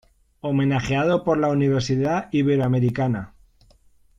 Homenajeado por la Universidad Iberoamericana.